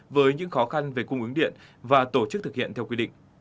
với những khó khăn về cung ứng điện và tổ chức thực hiện theo quy định